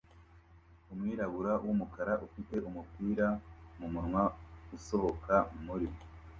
Umwirabura wumukara ufite umupira mumunwa usohoka muri